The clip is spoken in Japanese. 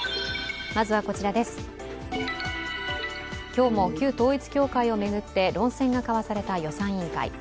今日も旧統一教会を巡って論戦が交わされた予算委員会。